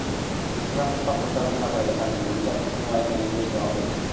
খসড়া প্রস্তাব পর্যালোচনা করে দেখার জন্য বিচার মন্ত্রণালয়কে নির্দেশ দেওয়া হয়েছে।